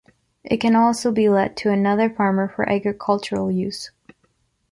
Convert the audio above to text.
It can also be let to another farmer for agricultural use.